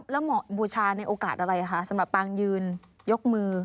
แล้วเหมาะบูชาในโอกาสอะไรคะสำหรับปางยืนยกมือ